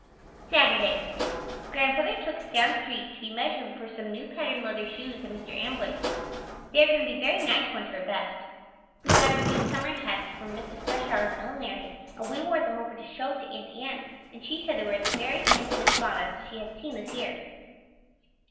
Saturday. Grandfather took us down street to be measured for some new patten leather shoes at Mr. Ambler's. They are going to be very nice ones for best. We got our new summer hats from Mrs. Freshour's millinery and we wore them over to show to Aunt Ann and she said they were the very handsomest bonnets she had seen this year.